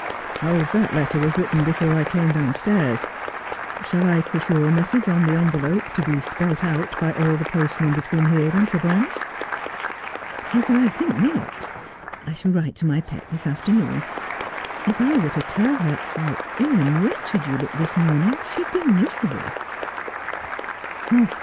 ' That letter was written before I came downstairs. Shall I put your message on the envelope, to be spelt out by all the postmen between here and Provence ?'' Well, I think not. I shall write to my pet this afternoon. If I were to tell her how ill and wretched you look this morning she'd be miserable.'